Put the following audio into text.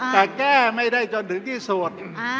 แต่แก้ไม่ได้จนถึงที่สุด